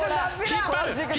引っ張る！